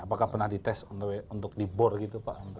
apakah pernah dites untuk dibor gitu pak